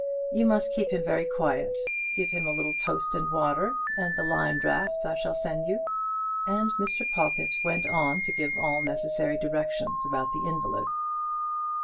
You must keep him very quiet. Give him a little toast and water, and the lime draughts I shall send you," and Mr. Pawlkatt went on to give all necessary directions about the invalid.